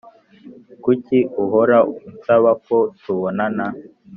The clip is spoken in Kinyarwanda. Kuki uhora unsaba ko tubonana